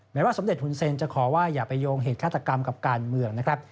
ว่าสมเด็จหุ่นเซนจะขอว่าอย่าไปโยงเหตุฆาตกรรมกับการเมืองนะครับ